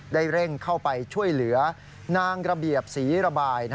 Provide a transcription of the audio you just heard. ได้เร่งเข้าไปช่วยเหลือนางระเบียบศรีระบาย